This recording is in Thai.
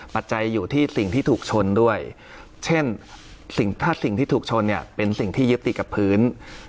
ปัจจัยอยู่ที่สิ่งที่ถูกชนด้วยเช่นถ้าสิ่งที่ถูกชนเนี่ยเป็นสิ่งที่ยึดติดกับพื้น